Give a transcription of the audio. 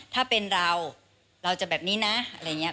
ถ้าเป็นเราเราจะแบบนี้นะอะไรอย่างนี้